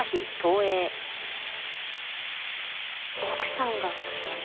奥さんが消えた？